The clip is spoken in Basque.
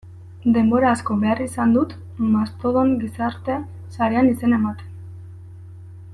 Denbora asko behar izan dut Mastodon gizarte sarean izena ematen.